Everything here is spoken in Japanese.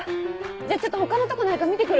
じゃあちょっと他のとこないか見てくる。